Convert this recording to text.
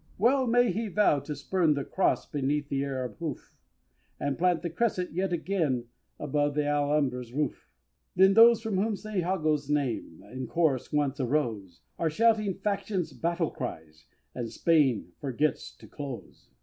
Well may he vow to spurn the Cross Beneath the Arab hoof, And plant the Crescent yet again Above th' Alhambra's roof When those from whom St. Jago's name In chorus once arose, Are shouting Faction's battle cries, And Spain forgets to "Close!"